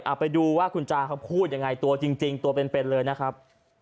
เอาไปดูว่าคุณจาเขาพูดยังไงตัวจริงตัวเป็นเป็นเลยนะครับ